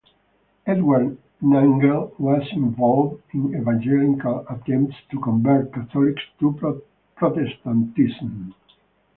Edward Nangle was involved in evangelical attempts to convert Catholics to Protestantism.